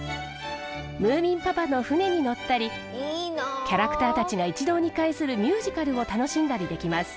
ムーミンパパの船に乗ったりキャラクターたちが一堂に会するミュージカルを楽しんだりできます。